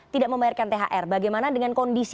tidak membayarkan thr bagaimana dengan kondisi